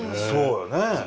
そうよね。